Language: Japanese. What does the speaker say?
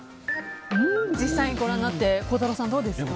実際にご覧になって孝太郎さん、どうですか？